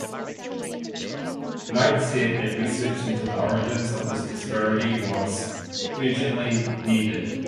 Knight said that research into the origins of this disparity was "urgently needed".